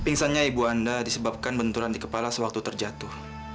pingsannya ibu anda disebabkan benturan di kepala sewaktu terjatuh